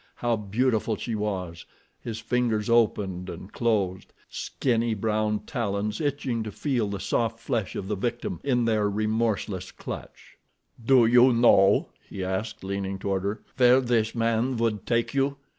How beautiful she was! His fingers opened and closed—skinny, brown talons itching to feel the soft flesh of the victim in their remorseless clutch. "Do you know," he asked leaning toward her, "where this man would take you?"